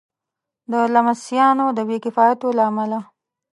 د لمسیانو د بې کفایتیو له امله.